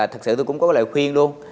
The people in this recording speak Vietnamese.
thực sự tôi cũng có lời khuyên luôn